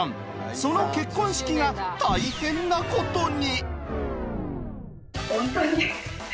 その結婚式が大変なことに！